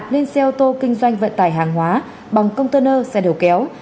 lên xe ô tô kinh doanh vận tải hàng hóa bằng container xe đầu kéo